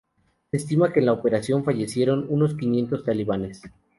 Se estima que en la operación fallecieron unos quinientos talibanes.